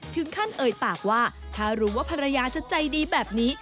เอ่ยปากว่าถ้ารู้ว่าภรรยาจะใจดีแบบนี้